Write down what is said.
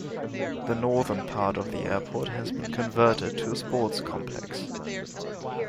The northern part of the airport has been converted to a sports complex.